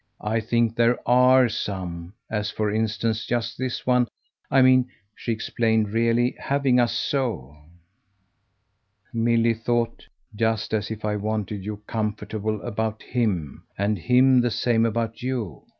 "I think there ARE some as for instance just this one. I mean," she explained, "really having us so." Milly thought. "Just as if I wanted you comfortable about HIM, and him the same about you?